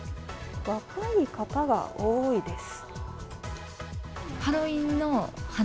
若い方が多いです。